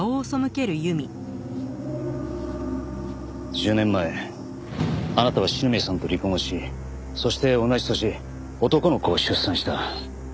１０年前あなたは篠宮さんと離婚をしそして同じ年男の子を出産した。